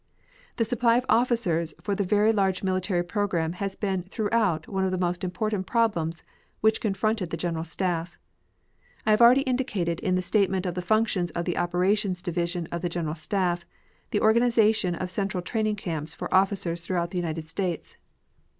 The supply of officers for the very large military program has been throughout one of the most important problems which confronted the General Staff. I have already indicated in the statement of the functions of the Operations Division of the General Staff the organization of central training camps for officers throughout the United States.